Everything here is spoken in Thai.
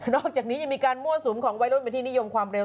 นอกจากนี้ยังมีการมั่วสูงของไว้รถมาที่นิยมความเร็ว